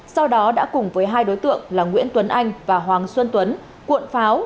sau đó đã cùng với hai đối tượng là nguyễn tuấn anh và hoàng xuân tuấn cuộn pháo